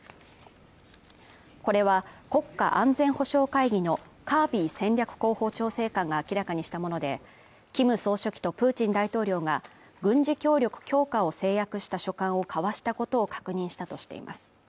これは国家安全保障会議のカービー戦略広報調整官が明らかにしたものでキム総書記とプーチン大統領が軍事協力強化を誓約した書簡を交わしたことを確認したとしています